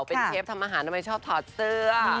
เป็นเทปทำอาหารทำไมชอบถอดเสื้อ